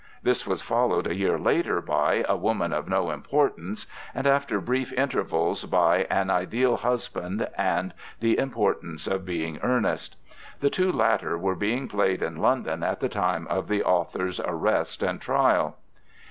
This was followed a year later by A Woman of No Importance, and after brief intervals by An Ideal Husband and The Importance of Being Earnest. The two latter were being played in London at the time of the author's arrest and trial.